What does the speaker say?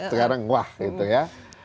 sekarang wah gitu ya